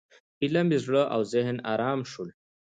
ایله مې زړه او ذهن ارامه شول.